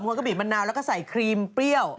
กระบีบมะนาวแล้วก็ใส่ครีมเปรี้ยว